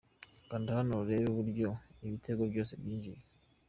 Kanda hano urebe uburyo ibitego byose byinjiye.